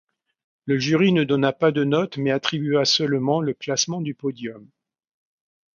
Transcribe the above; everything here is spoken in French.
Le jury ne donna pas de notes mais attribua seulement le classement du podium.